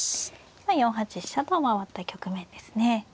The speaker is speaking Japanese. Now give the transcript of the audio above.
今４八飛車と回った局面ですね。